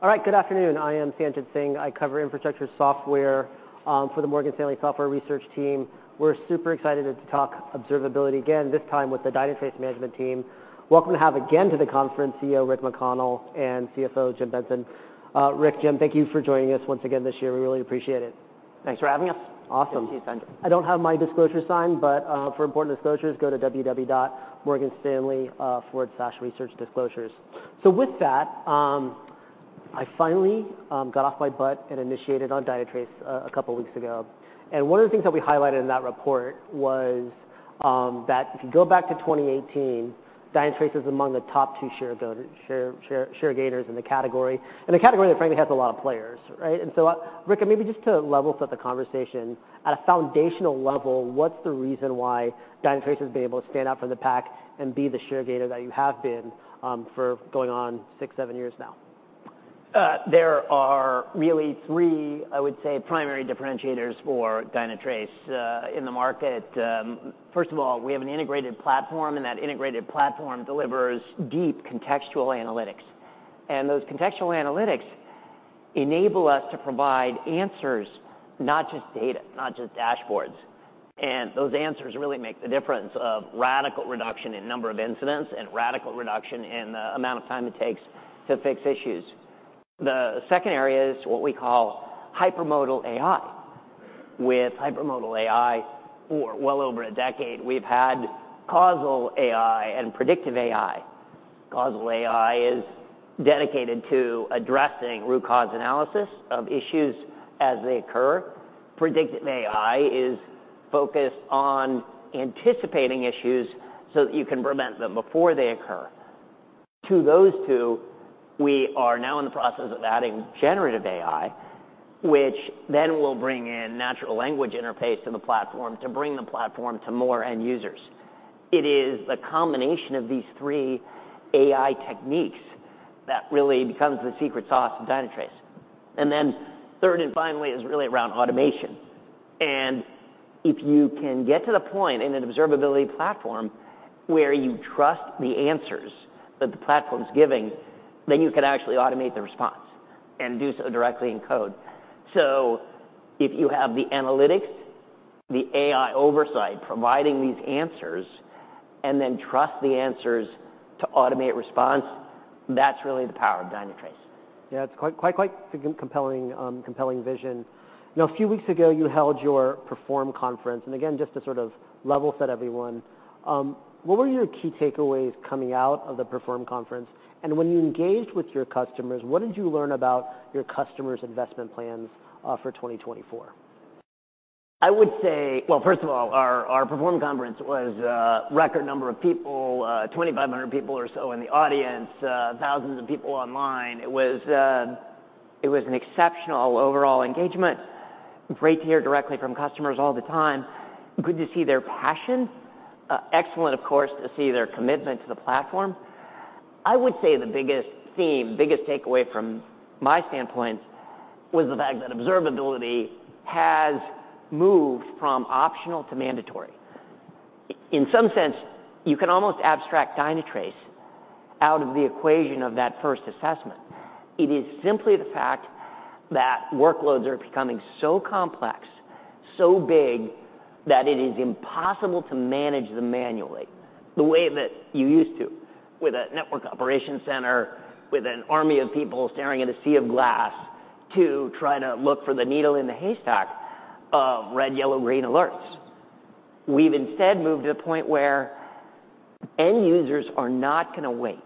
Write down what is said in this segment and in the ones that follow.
All right, good afternoon. I am Sanjit Singh. I cover infrastructure software for the Morgan Stanley Software Research Team. We're super excited to talk observability again, this time with the Dynatrace management team. Welcome to have again to the conference CEO, Rick McConnell, and CFO, Jim Benson. Rick, Jim, thank you for joining us once again this year. We really appreciate it. Thanks for having us. Awesome. Thank you, Sanjit. I don't have my disclosure sign, but, for important disclosures, go to www.morganstanley.com/researchdisclosures. So with that, I finally got off my butt and initiated on Dynatrace a couple weeks ago, and one of the things that we highlighted in that report was, that if you go back to 2018, Dynatrace is among the top two share gainers in the category, and the category, frankly, has a lot of players, right? And so, Rick, maybe just to level set the conversation, at a foundational level, what's the reason why Dynatrace has been able to stand out from the pack and be the share gainer that you have been, for going on six, seven years now? There are really three, I would say, primary differentiators for Dynatrace in the market. First of all, we have an integrated platform, and that integrated platform delivers deep contextual analytics. Those contextual analytics enable us to provide answers, not just data, not just dashboards. Those answers really make the difference of radical reduction in number of incidents and radical reduction in the amount of time it takes to fix issues. The second area is what we call Hypermodal AI. With Hypermodal AI, for well over a decade, we've had Causal AI and Predictive AI. Causal AI is dedicated to addressing root cause analysis of issues as they occur. Predictive AI is focused on anticipating issues so that you can prevent them before they occur. To those two, we are now in the process of adding Generative AI, which then will bring in natural language interface to the platform to bring the platform to more end users. It is the combination of these three AI techniques that really becomes the secret sauce of Dynatrace. And then third and finally, is really around automation, and if you can get to the point in an observability platform where you trust the answers that the platform's giving, then you can actually automate the response and do so directly in code. So if you have the analytics, the AI oversight, providing these answers, and then trust the answers to automate response, that's really the power of Dynatrace. Yeah, it's quite, quite, quite compelling, compelling vision. Now, a few weeks ago, you held your Perform conference, and again, just to sort of level set everyone, what were your key takeaways coming out of the Perform conference? And when you engaged with your customers, what did you learn about your customers' investment plans, for 2024? I would say... Well, first of all, our Perform conference was record number of people, 2,500 people or so in the audience, thousands of people online. It was it was an exceptional overall engagement. Great to hear directly from customers all the time. Good to see their passion. Excellent, of course, to see their commitment to the platform. I would say the biggest theme, biggest takeaway from my standpoint, was the fact that observability has moved from optional to mandatory. In some sense, you can almost abstract Dynatrace out of the equation of that first assessment. It is simply the fact that workloads are becoming so complex, so big, that it is impossible to manage them manually, the way that you used to, with a Network Operations Center, with an army of people staring at a sea of glass to try to look for the needle in the haystack of red, yellow, green alerts. We've instead moved to the point where end users are not gonna wait.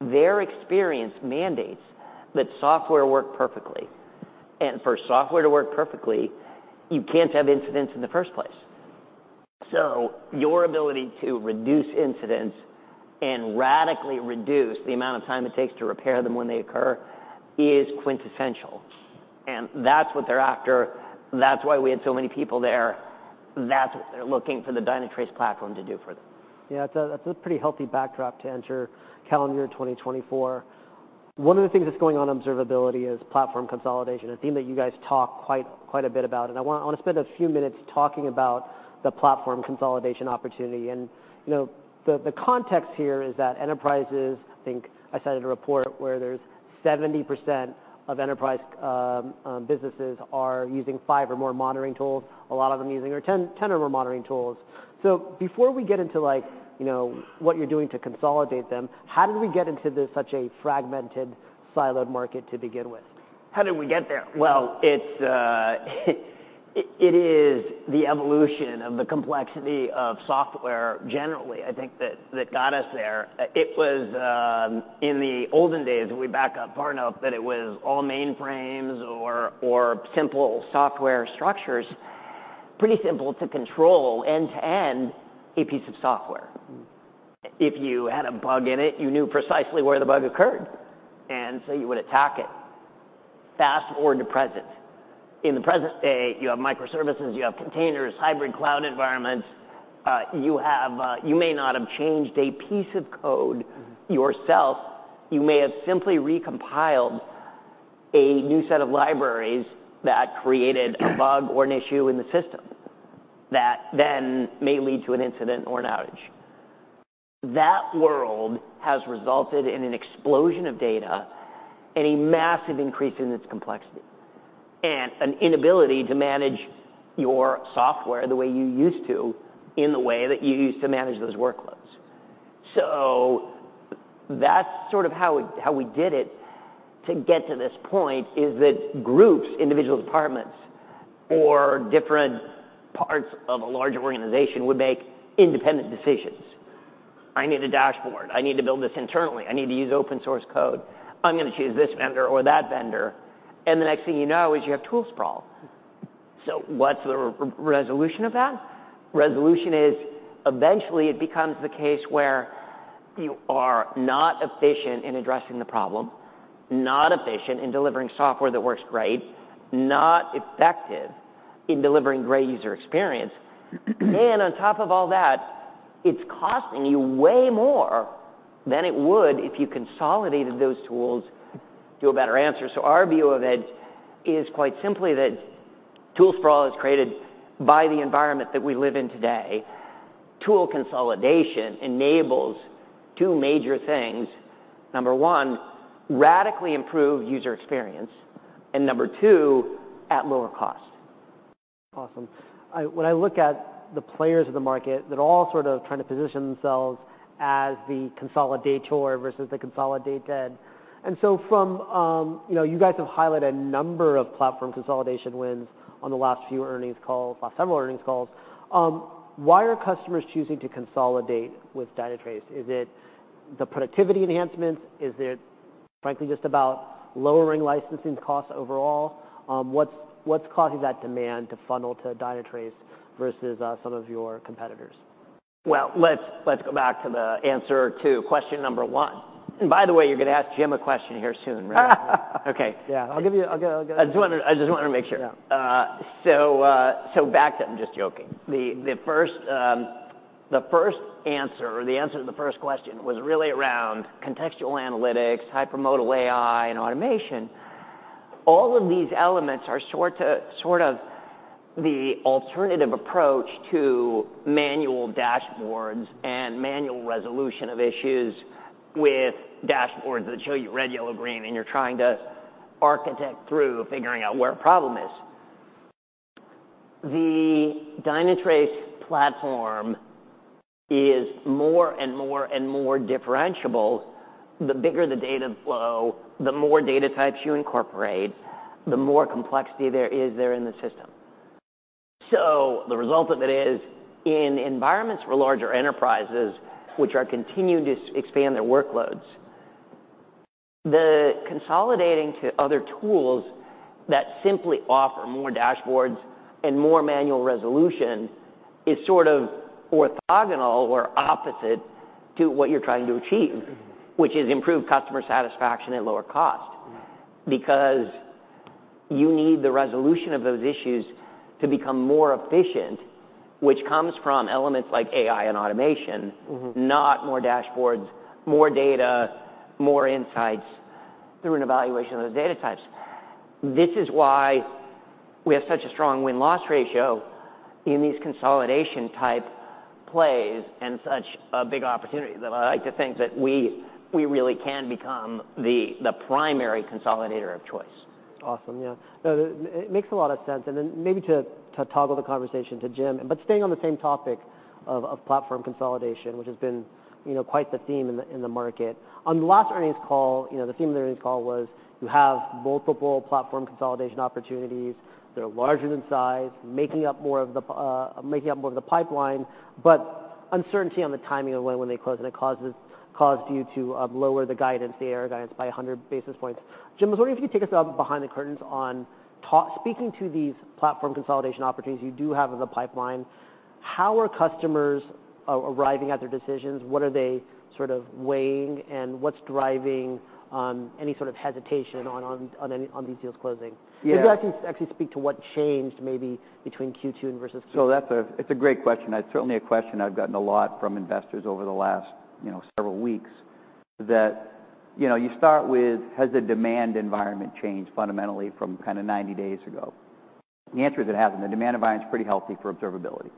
Their experience mandates that software work perfectly, and for software to work perfectly, you can't have incidents in the first place. So your ability to reduce incidents and radically reduce the amount of time it takes to repair them when they occur is quintessential, and that's what they're after. That's why we had so many people there. That's what they're looking for the Dynatrace platform to do for them. Yeah, that's a pretty healthy backdrop to enter calendar 2024. One of the things that's going on in observability is platform consolidation, a theme that you guys talk quite a bit about, and I wanna spend a few minutes talking about the platform consolidation opportunity. You know, the context here is that enterprises, I think I cited a report where there's 70% of enterprise businesses are using five or more monitoring tools, a lot of them using 10 or more monitoring tools. So before we get into, like, you know, what you're doing to consolidate them, how did we get into this, such a fragmented, siloed market to begin with? How did we get there? Well, it's the evolution of the complexity of software generally, I think that got us there. It was in the olden days, we back up far enough, that it was all mainframes or simple software structures, pretty simple to control end-to-end a piece of software. If you had a bug in it, you knew precisely where the bug occurred, and so you would attack it, fast or to present. In the present day, you have microservices, you have containers, hybrid cloud environments. You have you may not have changed a piece of code yourself. You may have simply recompiled a new set of libraries that created a bug or an issue in the system that then may lead to an incident or an outage.... That world has resulted in an explosion of data and a massive increase in its complexity, and an inability to manage your software the way you used to, in the way that you used to manage those workloads. So that's sort of how we, how we did it to get to this point, is that groups, individual departments or different parts of a larger organization would make independent decisions. I need a dashboard. I need to build this internally. I need to use open source code. I'm gonna choose this vendor or that vendor, and the next thing you know is you have tool sprawl. So what's the resolution of that? Resolution is eventually it becomes the case where you are not efficient in addressing the problem, not efficient in delivering software that works right, not effective in delivering great user experience. On top of all that, it's costing you way more than it would if you consolidated those tools to a better answer. Our view of it is quite simply that tool sprawl is created by the environment that we live in today. Tool consolidation enables two major things: number one, radically improve user experience, and number two, at lower cost. Awesome. When I look at the players of the market, they're all sort of trying to position themselves as the consolidator versus the consolidated. And so from, you know, you guys have highlighted a number of platform consolidation wins on the last few earnings calls, or several earnings calls. Why are customers choosing to consolidate with Dynatrace? Is it the productivity enhancements? Is it frankly just about lowering licensing costs overall? What's causing that demand to funnel to Dynatrace versus some of your competitors? Well, let's, let's go back to the answer to question number one. By the way, you're gonna ask Jim a question here soon, right? Okay. Yeah, I'll get it. I just wanted, I just wanted to make sure. Yeah. So back to... I'm just joking. The first answer or the answer to the first question was really around contextual analytics, Hypermodal AI, and automation. All of these elements are sort of the alternative approach to manual dashboards and manual resolution of issues with dashboards that show you red, yellow, green, and you're trying to architect through figuring out where a problem is. The Dynatrace Platform is more and more and more differentiable. The bigger the data flow, the more data types you incorporate, the more complexity there is there in the system. So the result of it is, in environments where larger enterprises, which are continuing to expand their workloads, the consolidating to other tools that simply offer more dashboards and more manual resolution is sort of orthogonal or opposite to what you're trying to achieve. Mm-hmm. which is improved customer satisfaction at lower cost. Right. Because you need the resolution of those issues to become more efficient, which comes from elements like AI and automation- Mm-hmm... Not more dashboards, more data, more insights through an evaluation of those data types. This is why we have such a strong win-loss ratio in these consolidation type plays and such a big opportunity that I like to think that we really can become the primary consolidator of choice. Awesome. Yeah. No, it makes a lot of sense. And then maybe to toggle the conversation to Jim, but staying on the same topic of platform consolidation, which has been, you know, quite the theme in the market. On the last earnings call, you know, the theme of the earnings call was, you have multiple platform consolidation opportunities. They're larger in size, making up more of the pipeline, but uncertainty on the timing of when they close, and it caused you to lower the guidance, the ARR guidance, by 100 basis points. Jim, I was wondering if you could take us out behind the curtains on speaking to these platform consolidation opportunities you do have in the pipeline, how are customers arriving at their decisions? What are they sort of weighing, and what's driving any sort of hesitation on these deals closing? Yeah. Could you actually, actually speak to what changed maybe between Q2 and versus Q3? So that's a great question. That's certainly a question I've gotten a lot from investors over the last, you know, several weeks. That, you know, you start with, has the demand environment changed fundamentally from kind of 90 days ago? The answer is, it hasn't. The demand environment is pretty healthy for observability.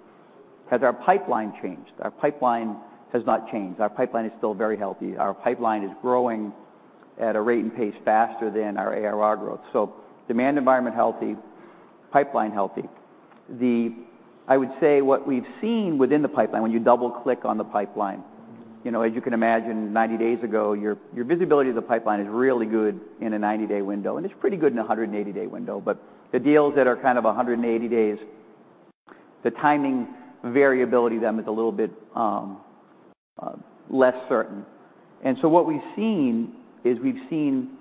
Has our pipeline changed? Our pipeline has not changed. Our pipeline is still very healthy. Our pipeline is growing at a rate and pace faster than our ARR growth. So demand environment healthy, pipeline healthy. The... I would say what we've seen within the pipeline, when you double-click on the pipeline, you know, as you can imagine, 90 days ago, your, your visibility of the pipeline is really good in a 90-day window, and it's pretty good in a 180-day window. But the deals that are kind of 180 days, the timing variability then is a little bit less certain. And so what we've seen is we've seen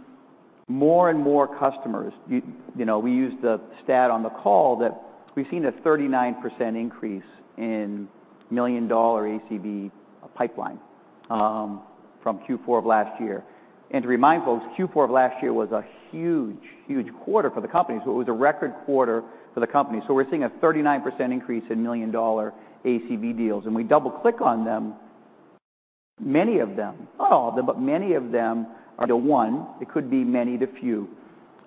more and more customers. You know, we used the stat on the call that we've seen a 39% increase in million-dollar ACV pipeline from Q4 of last year. And to remind folks, Q4 of last year was a huge, huge quarter for the company. So it was a record quarter for the company. So we're seeing a 39% increase in million-dollar ACV deals. And we double-click on them, many of them, not all of them, but many of them are the one. It could be many to few.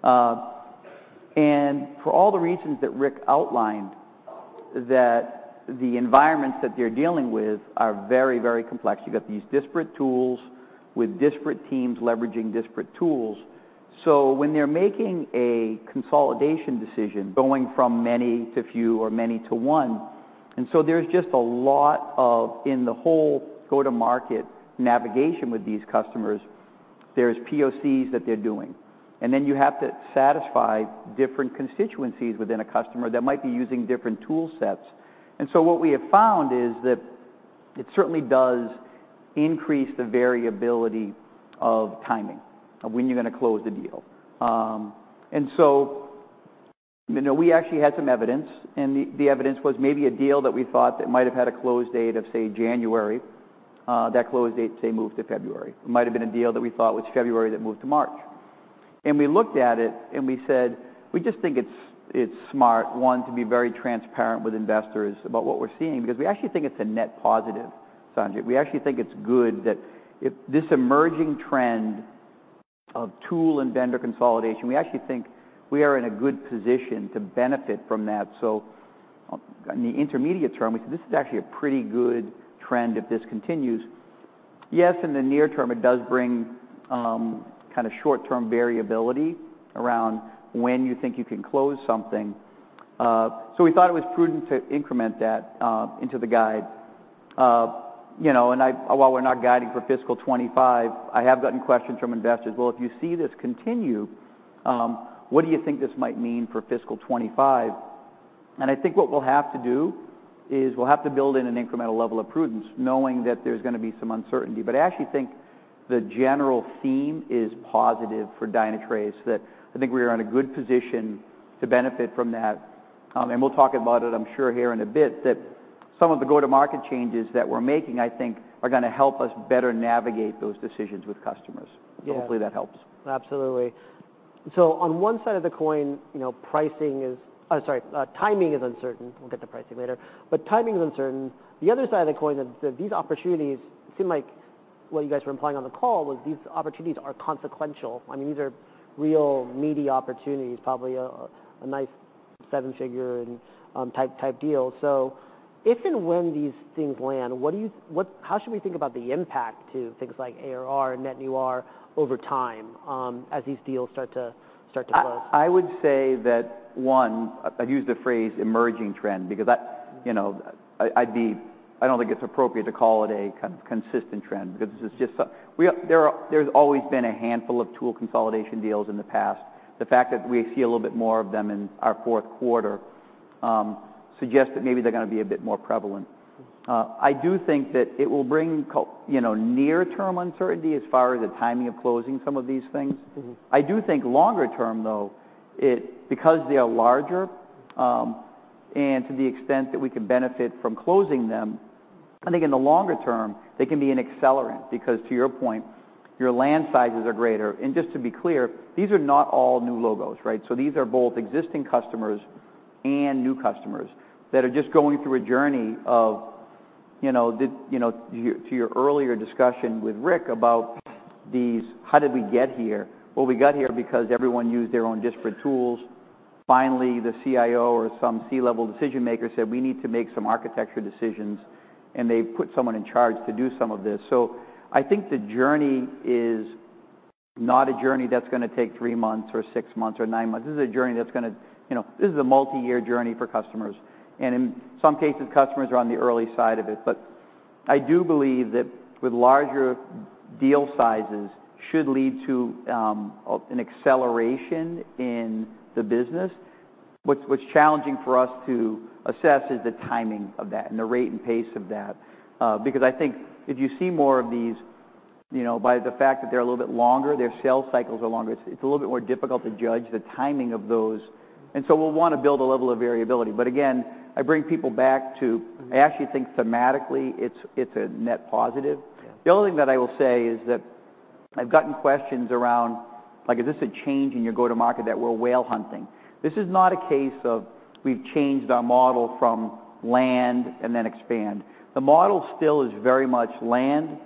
And for all the reasons that Rick outlined, that the environments that they're dealing with are very, very complex. You've got these disparate tools with disparate teams leveraging disparate tools. So when they're making a consolidation decision, going from many to few or many to one, and so there's just a lot of, in the whole go-to-market navigation with these customers, there's POCs that they're doing, and then you have to satisfy different constituencies within a customer that might be using different tool sets. And so what we have found is that it certainly does increase the variability of timing, of when you're gonna close the deal. And so, you know, we actually had some evidence, and the evidence was maybe a deal that we thought that might have had a close date of, say, January, that close date, say, moved to February. It might have been a deal that we thought was February, that moved to March. We looked at it, and we said, "We just think it's smart, one, to be very transparent with investors about what we're seeing," because we actually think it's a net positive, Sanjit. We actually think it's good that if this emerging trend of tool and vendor consolidation, we actually think we are in a good position to benefit from that. So on the intermediate term, we said, this is actually a pretty good trend if this continues. Yes, in the near term, it does bring kinda short-term variability around when you think you can close something. So we thought it was prudent to increment that into the guide. You know, and I—while we're not guiding for fiscal 2025, I have gotten questions from investors: "Well, if you see this continue, what do you think this might mean for fiscal 2025?" And I think what we'll have to do is we'll have to build in an incremental level of prudence, knowing that there's gonna be some uncertainty. But I actually think the general theme is positive for Dynatrace, that I think we are in a good position to benefit from that. And we'll talk about it, I'm sure, here in a bit, that some of the go-to-market changes that we're making, I think, are gonna help us better navigate those decisions with customers. Yeah. Hopefully that helps. Absolutely. So on one side of the coin, you know, pricing is... timing is uncertain. We'll get to pricing later, but timing is uncertain. The other side of the coin is that these opportunities seem like what you guys were implying on the call, was these opportunities are consequential. I mean, these are real meaty opportunities, probably a nice seven-figure type deal. So if and when these things land, what do you—what—how should we think about the impact to things like ARR and net new ARR over time, as these deals start to close? I would say that, one, I've used the phrase emerging trend because that, you know, I don't think it's appropriate to call it a kind of consistent trend because this is just there's always been a handful of tool consolidation deals in the past. The fact that we see a little bit more of them in our fourth quarter suggests that maybe they're gonna be a bit more prevalent. I do think that it will bring you know, near-term uncertainty as far as the timing of closing some of these things. Mm-hmm. I do think longer term, though, it. Because they are larger, and to the extent that we can benefit from closing them, I think in the longer term, they can be an accelerant, because to your point, your land sizes are greater. And just to be clear, these are not all new logos, right? So these are both existing customers and new customers that are just going through a journey of, you know, to your earlier discussion with Rick about these. How did we get here? Well, we got here because everyone used their own disparate tools. Finally, the CIO or some C-level decision maker said, "We need to make some architecture decisions," and they put someone in charge to do some of this. So I think the journey is not a journey that's gonna take three months or six months or nine months. This is a journey that's gonna... You know, this is a multi-year journey for customers, and in some cases, customers are on the early side of it. But I do believe that with larger deal sizes should lead to an acceleration in the business. What's challenging for us to assess is the timing of that and the rate and pace of that. Because I think if you see more of these, you know, by the fact that they're a little bit longer, their sales cycles are longer, it's a little bit more difficult to judge the timing of those, and so we'll wanna build a level of variability. But again, I bring people back to- Mm. I actually think thematically, it's, it's a net positive. Yeah. The only thing that I will say is that I've gotten questions around, like, is this a change in your go-to-market that we're whale hunting? This is not a case of we've changed our model from land and then expand. The model still is very much land,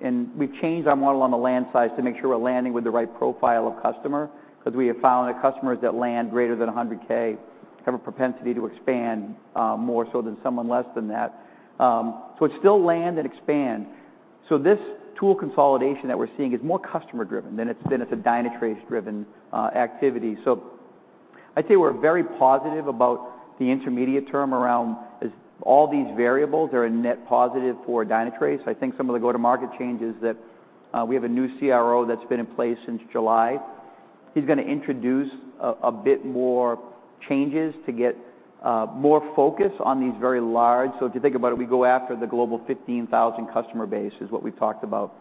and we've changed our model on the land side to make sure we're landing with the right profile of customer, because we have found that customers that land greater than $100,000 have a propensity to expand, more so than someone less than that. So it's still land and expand. So this tool consolidation that we're seeing is more customer-driven than it's been as a Dynatrace-driven, activity. So I'd say we're very positive about the intermediate term around as all these variables are a net positive for Dynatrace. I think some of the go-to-market changes that we have a new CRO that's been in place since July. He's gonna introduce a bit more changes to get more focus on these very large... So if you think about it, we go after the Global 15,000 customer base, is what we've talked about.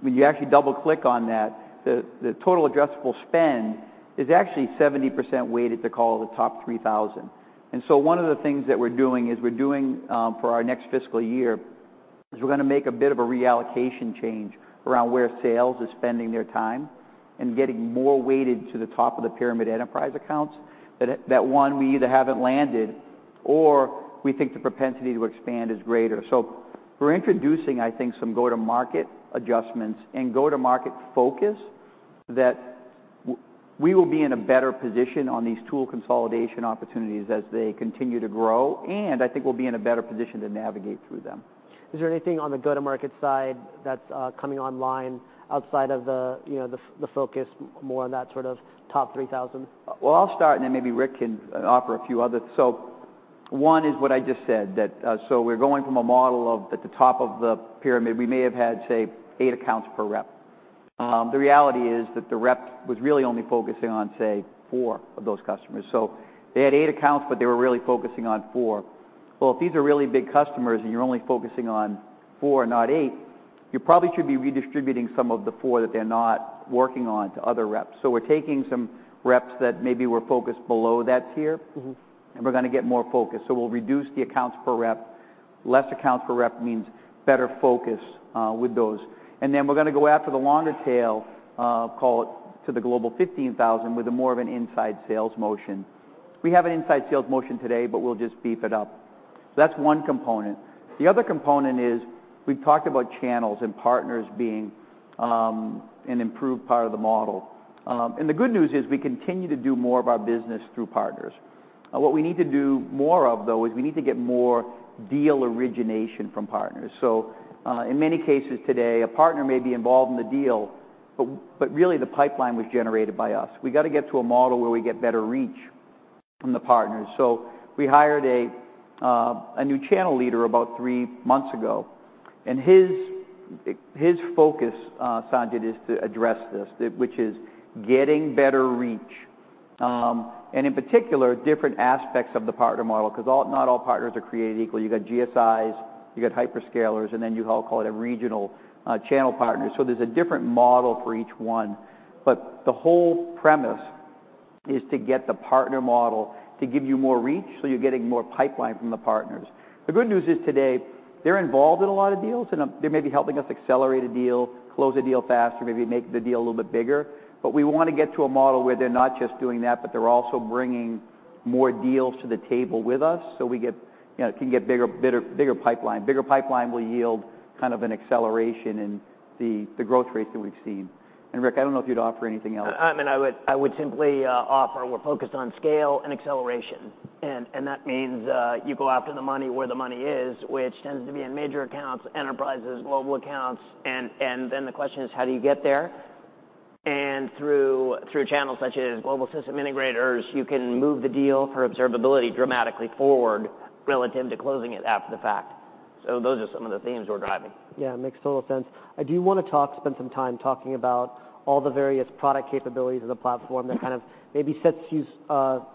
When you actually double-click on that, the total addressable spend is actually 70% weighted to call the top 3,000. And so one of the things that we're doing is, for our next fiscal year, we're gonna make a bit of a reallocation change around where sales is spending their time and getting more weighted to the top-of-the-pyramid enterprise accounts... that one we either haven't landed or we think the propensity to expand is greater. So we're introducing, I think, some go-to-market adjustments and go-to-market focus that we will be in a better position on these tool consolidation opportunities as they continue to grow, and I think we'll be in a better position to navigate through them. Is there anything on the go-to-market side that's coming online outside of the, you know, the focus more on that sort of top 3,000? Well, I'll start, and then maybe Rick can offer a few other. So one is what I just said, that, so we're going from a model of at the top of the pyramid, we may have had, say, eight accounts per rep. The reality is that the rep was really only focusing on, say, four of those customers. So they had eight accounts, but they were really focusing on four. Well, if these are really big customers, and you're only focusing on four, not eight, you probably should be redistributing some of the four that they're not working on to other reps. So we're taking some reps that maybe were focused below that tier- Mm-hmm. And we're gonna get more focused. So we'll reduce the accounts per rep. Less accounts per rep means better focus with those. And then we're gonna go after the longer tail, call it to the Global 15,000 with a more of an inside sales motion. We have an inside sales motion today, but we'll just beef it up. That's one component. The other component is we've talked about channels and partners being an improved part of the model. And the good news is we continue to do more of our business through partners. What we need to do more of, though, is we need to get more deal origination from partners. So, in many cases today, a partner may be involved in the deal, but really the pipeline was generated by us. We got to get to a model where we get better reach from the partners. So we hired a new channel leader about three months ago, and his focus, Sanjit, is to address this, which is getting better reach, and in particular, different aspects of the partner model, 'cause all- not all partners are created equal. You got GSIs, you got hyperscalers, and then you call it a regional channel partner. So there's a different model for each one. But the whole premise is to get the partner model to give you more reach, so you're getting more pipeline from the partners. The good news is today, they're involved in a lot of deals, and they may be helping us accelerate a deal, close a deal faster, maybe make the deal a little bit bigger. But we want to get to a model where they're not just doing that, but they're also bringing more deals to the table with us, so we get, you know, can get bigger, bigger, bigger pipeline. Bigger pipeline will yield kind of an acceleration in the growth rates that we've seen. And, Rick, I don't know if you'd offer anything else. I mean, I would, I would simply offer we're focused on scale and acceleration. And, and that means you go after the money where the money is, which tends to be in major accounts, enterprises, global accounts. And, and then the question is: How do you get there? And through, through channels such as global system integrators, you can move the deal for observability dramatically forward relative to closing it after the fact. So those are some of the themes we're driving. Yeah, it makes total sense. I do want to spend some time talking about all the various product capabilities of the platform. Mm-hmm. -that kind of maybe sets you,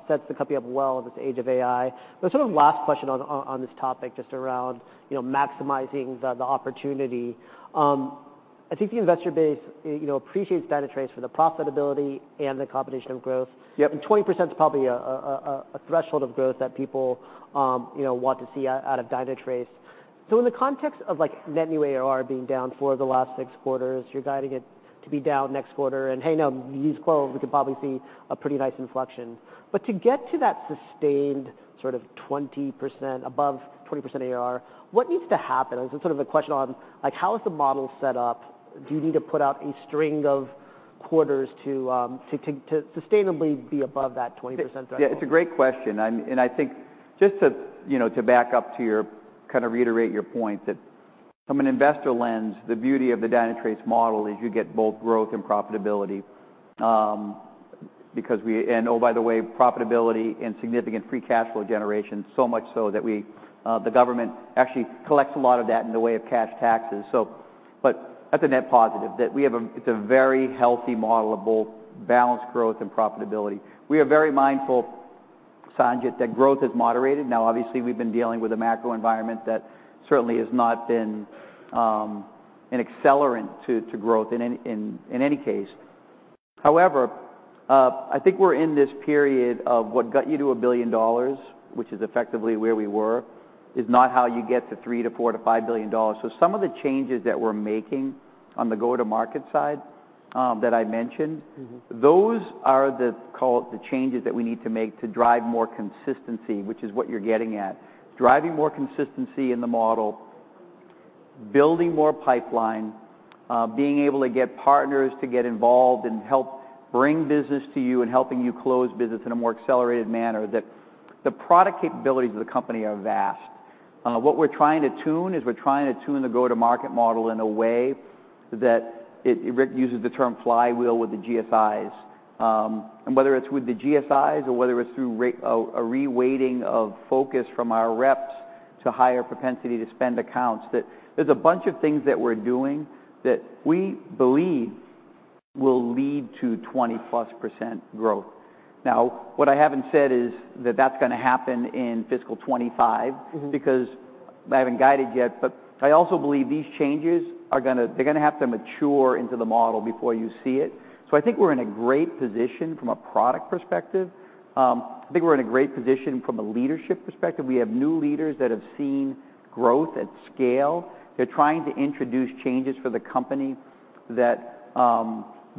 sets the company up well in this age of AI. But sort of last question on this topic, just around, you know, maximizing the opportunity. I think the investor base, you know, appreciates Dynatrace for the profitability and the competition of growth. Yep. 20% is probably a threshold of growth that people, you know, want to see out of Dynatrace. So in the context of like net new ARR being down for the last six quarters, you're guiding it to be down next quarter, and hey, now, these quarters, we could probably see a pretty nice inflection. But to get to that sustained sort of 20%, above 20% ARR, what needs to happen? As sort of a question on, like, how is the model set up? Do you need to put out a string of quarters to sustainably be above that 20% threshold? Yeah, it's a great question, and I think just to, you know, to back up to your... kind of reiterate your point, that from an investor lens, the beauty of the Dynatrace model is you get both growth and profitability. Because we and oh, by the way, profitability and significant free cash flow generation, so much so that we, the government actually collects a lot of that in the way of cash taxes. So, but that's a net positive, that we have it's a very healthy model of both balanced growth and profitability. We are very mindful, Sanjit, that growth has moderated. Now, obviously, we've been dealing with a macro environment that certainly has not been an accelerant to growth in any case. However, I think we're in this period of what got you to $1 billion, which is effectively where we were, is not how you get to $3 billion, $4 billion, $5 billion. So some of the changes that we're making on the go-to-market side, that I mentioned- Mm-hmm. Those are the, call it, the changes that we need to make to drive more consistency, which is what you're getting at. Driving more consistency in the model, building more pipeline, being able to get partners to get involved and help bring business to you and helping you close business in a more accelerated manner, that the product capabilities of the company are vast. What we're trying to tune is we're trying to tune the go-to-market model in a way that Rick uses the term flywheel with the GSIs. And whether it's with the GSIs or whether it's through a reweighting of focus from our reps to higher propensity to spend accounts, that there's a bunch of things that we're doing that we believe will lead to 20%+ growth. Now, what I haven't said is that that's gonna happen in fiscal 2025- Mm-hmm... because I haven't guided yet. But I also believe these changes are gonna, they're gonna have to mature into the model before you see it. So I think we're in a great position from a product perspective. I think we're in a great position from a leadership perspective. We have new leaders that have seen growth at scale. They're trying to introduce changes for the company that,...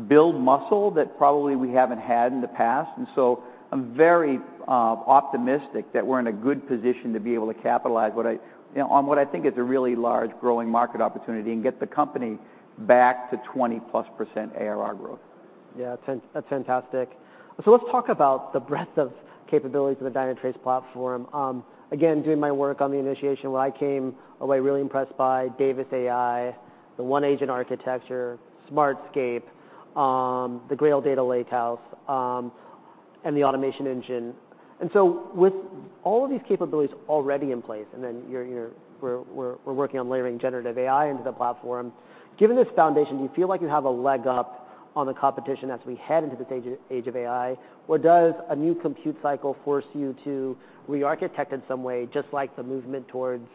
build muscle that probably we haven't had in the past. And so I'm very optimistic that we're in a good position to be able to capitalize what I, you know, on what I think is a really large growing market opportunity and get the company back to 20%+ ARR growth. Yeah, that's, that's fantastic. So let's talk about the breadth of capabilities of the Dynatrace platform. Again, doing my work on the initiation, where I came away really impressed by Davis AI, the OneAgent architecture, Smartscape, the Grail data lakehouse, and the Automation Engine. And so with all of these capabilities already in place, and then we're working on layering Generative AI into the platform. Given this foundation, do you feel like you have a leg up on the competition as we head into this age of AI? Or does a new compute cycle force you to re-architect in some way, just like the movement towards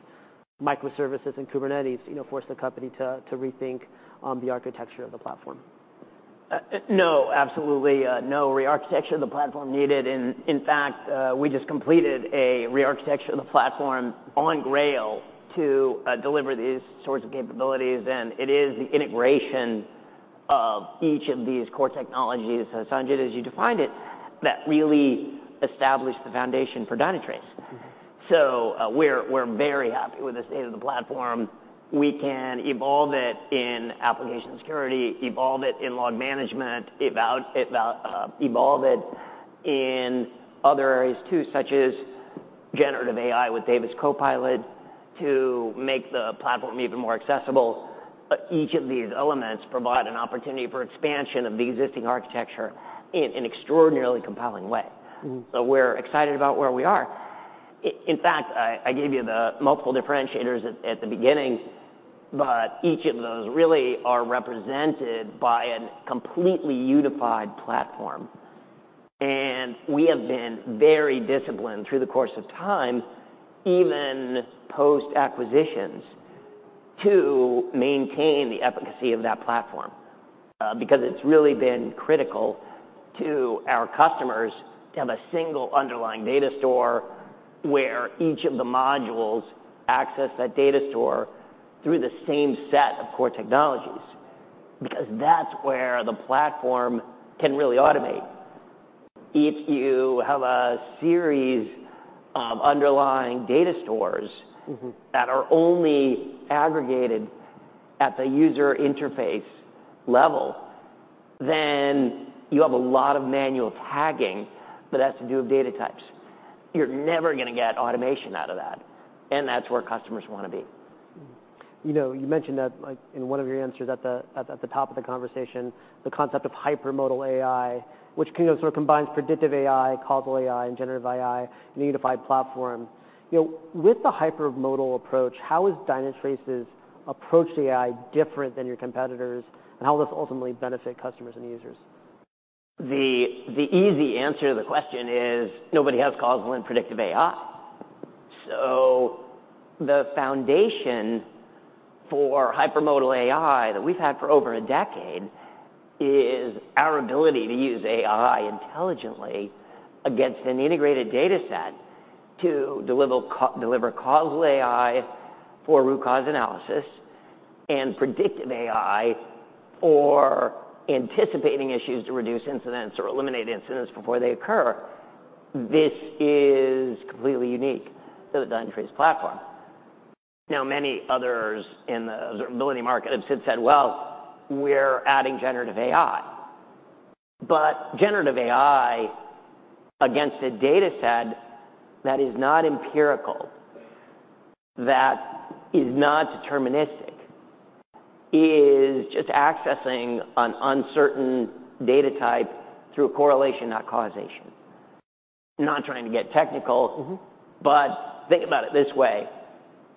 microservices and Kubernetes, you know, force the company to rethink the architecture of the platform? No, absolutely, no re-architecture of the platform needed. In fact, we just completed a re-architecture of the platform on Grail to deliver these sorts of capabilities, and it is the integration of each of these core technologies, Sanjit, as you defined it, that really established the foundation for Dynatrace. Mm-hmm. So, we're very happy with the state of the platform. We can evolve it in application security, evolve it in log management, evolve it in other areas too, such as Generative AI with Davis Copilot, to make the platform even more accessible. But each of these elements provide an opportunity for expansion of the existing architecture in an extraordinarily compelling way. Mm-hmm. So we're excited about where we are. In fact, I gave you the multiple differentiators at the beginning, but each of those really are represented by a completely unified platform. We have been very disciplined through the course of time, even post-acquisitions, to maintain the efficacy of that platform. Because it's really been critical to our customers to have a single underlying data store, where each of the modules access that data store through the same set of core technologies, because that's where the platform can really automate. If you have a series of underlying data stores- Mm-hmm... that are only aggregated at the user interface level, then you have a lot of manual tagging that has to do with data types. You're never gonna get automation out of that, and that's where customers wanna be. Mm-hmm. You know, you mentioned that, like, in one of your answers at the top of the conversation, the concept of Hypermodal AI, which kind of sort of combines Predictive AI, Causal AI, and Generative AI in a unified platform. You know, with the hypermodal approach, how is Dynatrace's approach to AI different than your competitors, and how will this ultimately benefit customers and users? The easy answer to the question is, nobody has causal and predictive AI. So the foundation for Hypermodal AI that we've had for over a decade is our ability to use AI intelligently against an integrated dataset to deliver causal AI for root cause analysis, and predictive AI for anticipating issues to reduce incidents or eliminate incidents before they occur. This is completely unique to the Dynatrace platform. Now, many others in the observability market have since said, "Well, we're adding Generative AI." But Generative AI against a dataset that is not empirical, that is not deterministic, is just accessing an uncertain data type through correlation, not causation. Not trying to get technical- Mm-hmm... but think about it this way: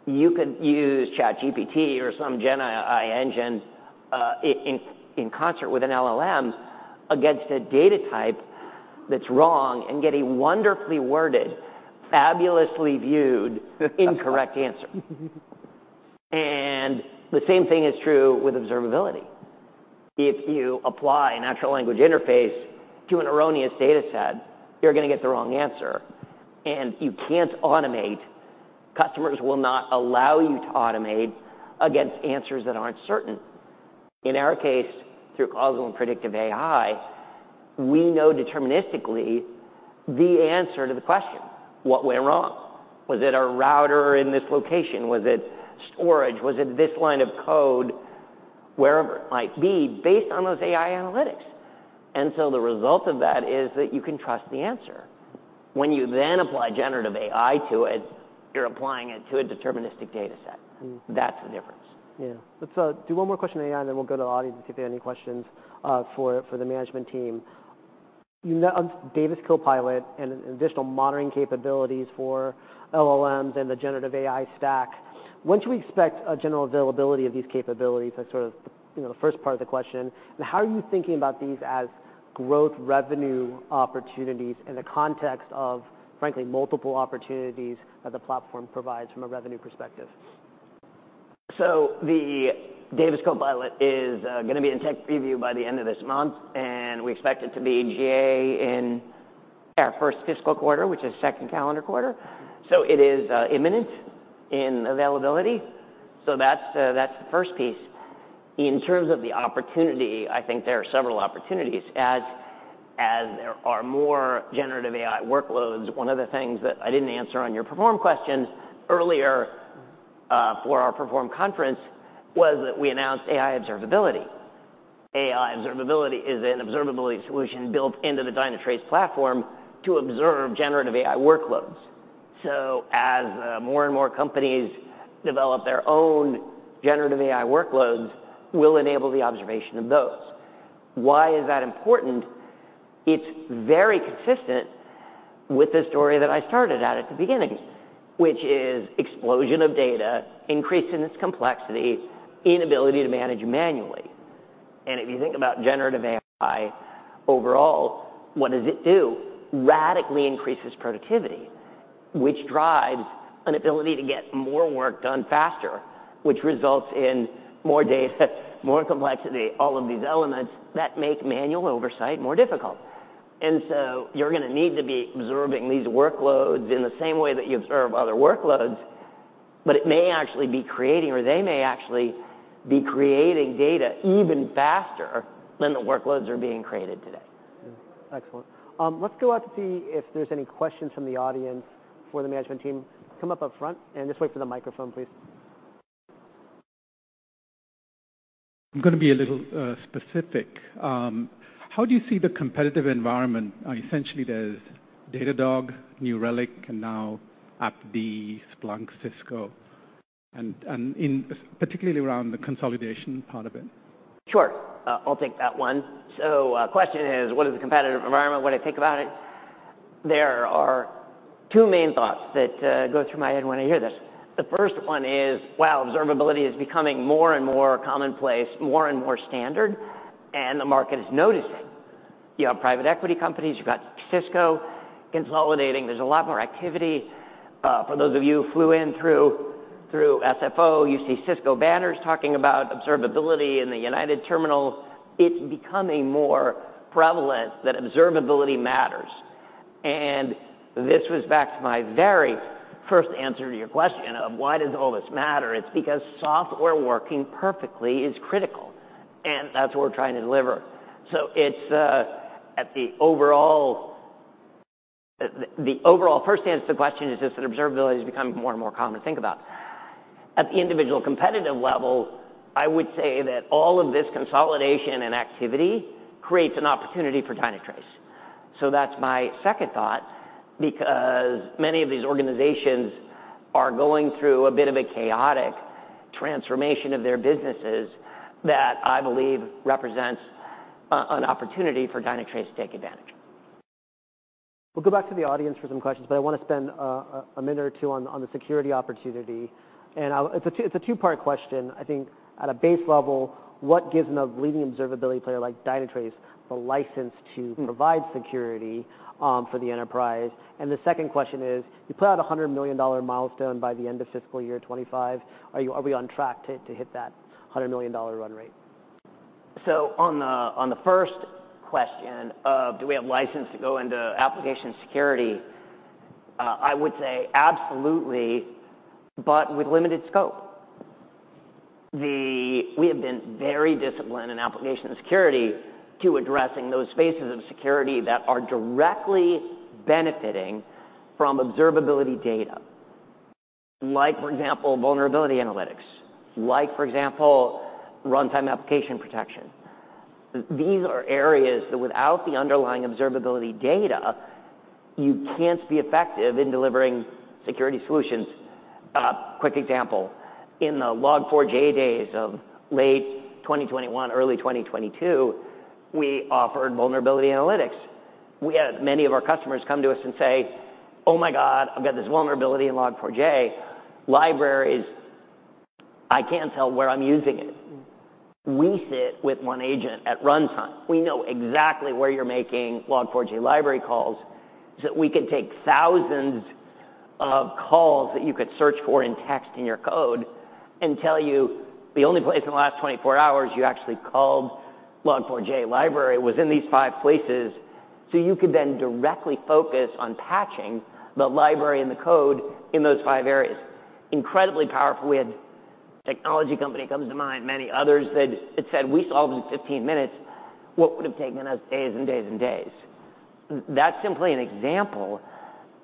you could use ChatGPT or some gen AI engine, in concert with an LLM, against a data type that's wrong, and get a wonderfully worded, fabulously viewed incorrect answer. And the same thing is true with observability. If you apply a natural language interface to an erroneous dataset, you're gonna get the wrong answer, and you can't automate. Customers will not allow you to automate against answers that aren't certain. In our case, through causal and predictive AI, we know deterministically the answer to the question, what went wrong? Was it a router in this location? Was it storage? Was it this line of code? Wherever it might be, based on those AI analytics. And so the result of that is that you can trust the answer. When you then apply Generative AI to it, you're applying it to a deterministic dataset. Mm-hmm. That's the difference. Yeah. Let's do one more question on AI, and then we'll go to the audience and see if they have any questions for the management team. You know, Davis Copilot and additional monitoring capabilities for LLMs and the Generative AI stack, when should we expect a general availability of these capabilities? That's sort of, you know, the first part of the question. And how are you thinking about these as growth revenue opportunities in the context of, frankly, multiple opportunities that the platform provides from a revenue perspective? So the Davis Copilot is gonna be in tech preview by the end of this month, and we expect it to be GA in our first fiscal quarter, which is second calendar quarter. So it is imminent in availability. So that's that's the first piece. In terms of the opportunity, I think there are several opportunities. As there are more Generative AI workloads, one of the things that I didn't answer on your Perform questions earlier, for our Perform conference, was that we announced AI Observability. AI Observability is an observability solution built into the Dynatrace platform to observe Generative AI workloads. So as more and more companies develop their own Generative AI workloads, we'll enable the observation of those. Why is that important? It's very consistent with the story that I started at, at the beginning, which is explosion of data, increase in its complexity, inability to manage manually. If you think about Generative AI overall, what does it do? Radically increases productivity, which drives an ability to get more work done faster, which results in more data, more complexity, all of these elements that make manual oversight more difficult. So you're gonna need to be observing these workloads in the same way that you observe other workloads, but it may actually be creating or they may actually be creating data even faster than the workloads are being created today. Excellent. Let's go out to see if there's any questions from the audience for the management team. Come up front and just wait for the microphone, please. I'm gonna be a little specific. How do you see the competitive environment? Essentially, there's Datadog, New Relic, and now AppD, Splunk, Cisco, and in particular around the consolidation part of it? Sure. I'll take that one. So, question is, what is the competitive environment, what I think about it? There are two main thoughts that go through my head when I hear this. The first one is, wow, observability is becoming more and more commonplace, more and more standard, and the market is noticing. You have private equity companies, you've got Cisco consolidating. There's a lot more activity. For those of you who flew in through, through SFO, you see Cisco banners talking about observability in the United Terminal. It's becoming more prevalent that observability matters. And this was back to my very first answer to your question of why does all this matter? It's because software working perfectly is critical, and that's what we're trying to deliver. So it's at the overall first answer to the question is just that observability is becoming more and more common to think about. At the individual competitive level, I would say that all of this consolidation and activity creates an opportunity for Dynatrace. So that's my second thought, because many of these organizations are going through a bit of a chaotic transformation of their businesses that I believe represents an opportunity for Dynatrace to take advantage. We'll go back to the audience for some questions, but I wanna spend a minute or two on the security opportunity, and I'll, it's a two-part question. I think at a base level, what gives a leading observability player like Dynatrace the license to- Mm-hmm. - provide security for the enterprise? And the second question is, you put out a $100 million milestone by the end of fiscal year 2025. Are we on track to hit that $100 million run rate? So on the, on the first question of do we have license to go into application security, I would say absolutely, but with limited scope. We have been very disciplined in application security to addressing those spaces of security that are directly benefiting from observability data, like, for example, Vulnerability Analytics, like, for example, Runtime Application Protection. These are areas that without the underlying observability data, you can't be effective in delivering security solutions. Quick example, in the Log4j days of late 2021, early 2022, we offered Vulnerability Analytics. We had many of our customers come to us and say, "Oh, my God, I've got this vulnerability in Log4j libraries. I can't tell where I'm using it." We sit with OneAgent at runtime. We know exactly where you're making Log4j library calls, so we could take thousands of calls that you could search for in text in your code and tell you the only place in the last 24 hours you actually called Log4j library was in these five places. So you could then directly focus on patching the library and the code in those five areas. Incredibly powerful. We had... technology company comes to mind, many others, that had said, "We solved in 15 minutes what would have taken us days and days and days." That's simply an example,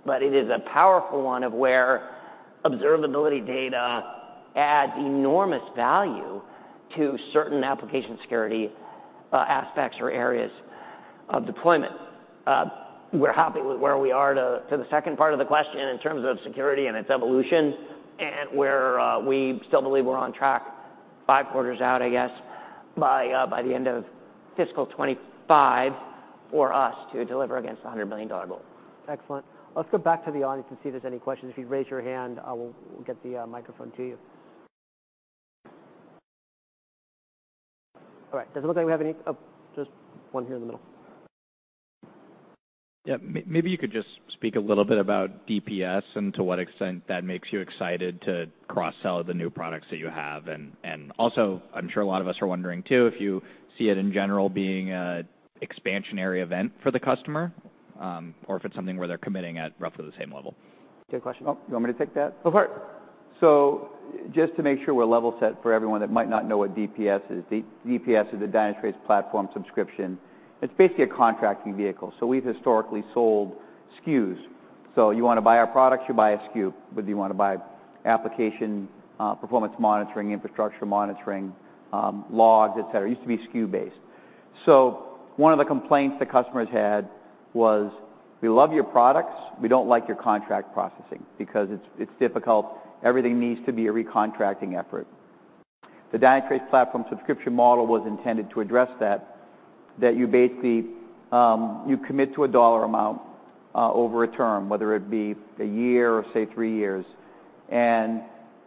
but it is a powerful one of where observability data adds enormous value to certain application security aspects or areas of deployment. We're happy with where we are. To the second part of the question, in terms of security and its evolution and where we still believe we're on track five quarters out, I guess, by the end of fiscal 2025 for us to deliver against the $100 million goal. Excellent. Let's go back to the audience and see if there's any questions. If you raise your hand, we'll get the microphone to you. All right, does it look like we have any? Oh, just one here in the middle. Yeah, maybe you could just speak a little bit about DPS and to what extent that makes you excited to cross-sell the new products that you have. And also, I'm sure a lot of us are wondering, too, if you see it in general being an expansionary event for the customer, or if it's something where they're committing at roughly the same level. Good question. Oh, you want me to take that? Go for it.... So just to make sure we're level set for everyone that might not know what DPS is. DPS is a Dynatrace Platform Subscription. It's basically a contracting vehicle. So we've historically sold SKUs. So you want to buy our products, you buy a SKU. Whether you want to buy application, performance monitoring, infrastructure monitoring, logs, et cetera, it used to be SKU-based. So one of the complaints the customers had was, "We love your products, we don't like your contract processing, because it's, it's difficult. Everything needs to be a recontracting effort." The Dynatrace Platform Subscription model was intended to address that, that you basically, you commit to a dollar amount, over a term, whether it be a year or, say, three years.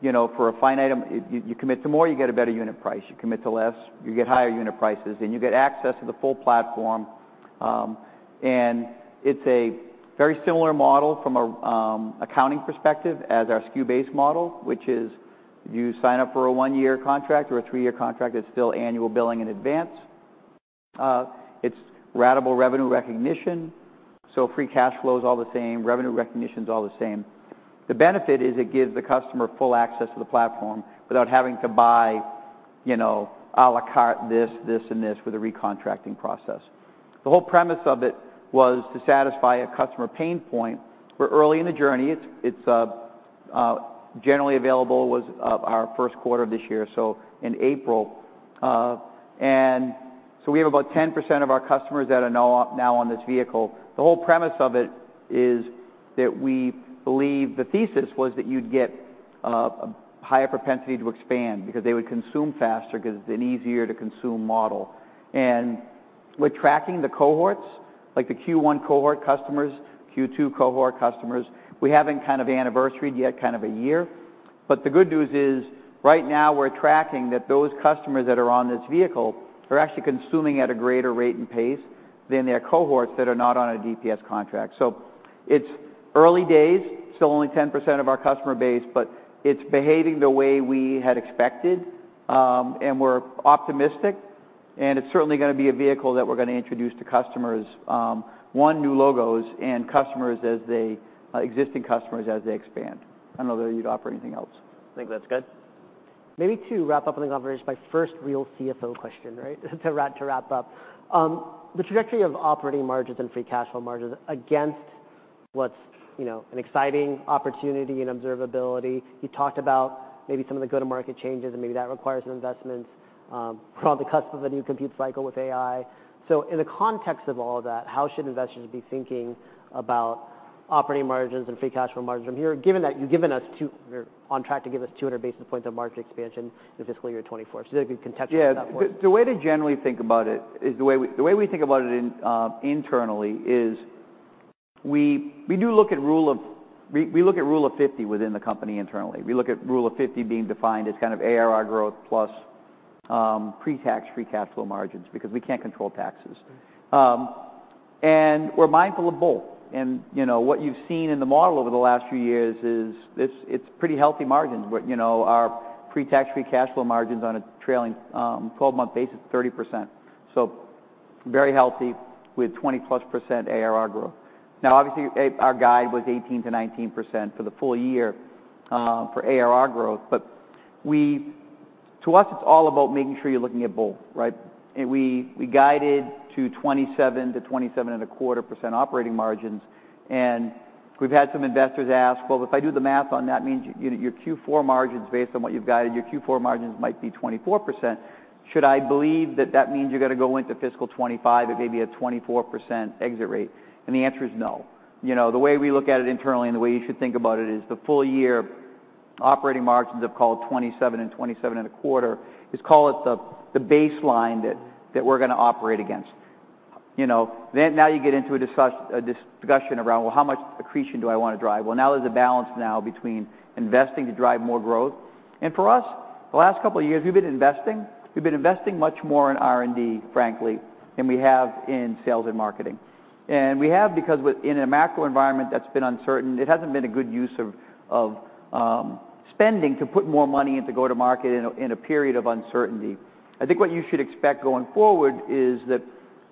You know, for a fine item, you commit to more, you get a better unit price. You commit to less, you get higher unit prices, and you get access to the full platform. And it's a very similar model from an accounting perspective as our SKU-based model, which is you sign up for a one-year contract or a three-year contract, it's still annual billing in advance. It's ratable revenue recognition, so free cash flow is all the same, revenue recognition's all the same. The benefit is it gives the customer full access to the platform without having to buy, you know, à la carte, this, this, and this with a recontracting process. The whole premise of it was to satisfy a customer pain point. We're early in the journey. It's generally available was our first quarter of this year, so in April. And so we have about 10% of our customers that are now on, now on this vehicle. The whole premise of it is that we believe the thesis was that you'd get a higher propensity to expand, because they would consume faster, because it's an easier-to-consume model. And we're tracking the cohorts, like the Q1 cohort customers, Q2 cohort customers. We haven't kind of anniversaried yet kind of a year. But the good news is, right now, we're tracking that those customers that are on this vehicle are actually consuming at a greater rate and pace than their cohorts that are not on a DPS contract. So it's early days, still only 10% of our customer base, but it's behaving the way we had expected. And we're optimistic, and it's certainly gonna be a vehicle that we're gonna introduce to customers, won new logos and existing customers as they expand. I don't know whether you'd offer anything else. I think that's good. Maybe to wrap up on the coverage, my first real CFO question, right? To wrap up. The trajectory of operating margins and free cash flow margins against what's, you know, an exciting opportunity in observability. You talked about maybe some of the go-to-market changes, and maybe that requires some investments. We're on the cusp of a new compute cycle with AI. So in the context of all of that, how should investors be thinking about operating margins and free cash flow margin? Here, given that you've given us two... You're on track to give us 200 basis points of margin expansion in fiscal year 2024. So if you can contextualize that for us. Yeah. The way to generally think about it is the way we think about it internally is we do look at Rule of 50 within the company internally. We look at Rule of 50 being defined as kind of ARR growth plus pre-tax free cash flow margins, because we can't control taxes. And we're mindful of both. And, you know, what you've seen in the model over the last few years is this, it's pretty healthy margins. But, you know, our pre-tax free cash flow margins on a trailing twelve-month basis is 30%. So very healthy, with 20+% ARR growth. Now, obviously, our guide was 18%-19% for the full year for ARR growth. But we, to us, it's all about making sure you're looking at both, right? And we guided to 27%-27.25% operating margins, and we've had some investors ask: "Well, if I do the math on that, it means your Q4 margins based on what you've guided, your Q4 margins might be 24%. Should I believe that that means you're gonna go into fiscal 2025 at maybe a 24% exit rate?" And the answer is no. You know, the way we look at it internally, and the way you should think about it, is the full year operating margins of, call it, 27%-27.25%, is call it the baseline that we're gonna operate against. You know, then now you get into a discussion around, well, how much accretion do I want to drive? Well, now there's a balance now between investing to drive more growth. And for us, the last couple of years, we've been investing. We've been investing much more in R&D, frankly, than we have in sales and marketing. And we have because with in a macro environment that's been uncertain, it hasn't been a good use of spending to put more money into go-to-market in a period of uncertainty. I think what you should expect going forward is that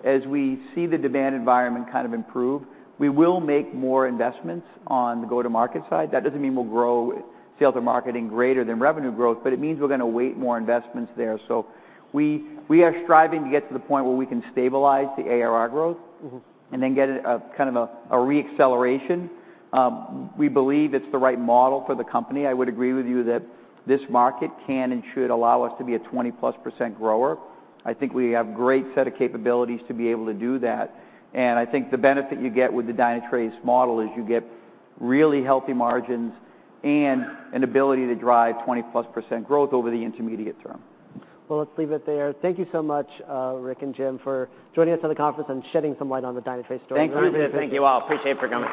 as we see the demand environment kind of improve, we will make more investments on the go-to-market side. That doesn't mean we'll grow sales and marketing greater than revenue growth, but it means we're gonna weigh more investments there. So we are striving to get to the point where we can stabilize the ARR growth. Mm-hmm. and then get a kind of re-acceleration. We believe it's the right model for the company. I would agree with you that this market can and should allow us to be a 20%+ grower. I think we have great set of capabilities to be able to do that, and I think the benefit you get with the Dynatrace model is you get really healthy margins and an ability to drive 20%+ growth over the intermediate term. Well, let's leave it there. Thank you so much, Rick and Jim, for joining us on the conference and shedding some light on the Dynatrace story. Thank you. Thank you, all. Appreciate you for coming.